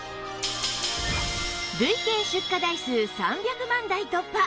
累計出荷台数３００万台突破！